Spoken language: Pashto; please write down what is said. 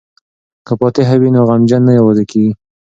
که فاتحه وي نو غمجن نه یوازې کیږي.